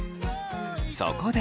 そこで。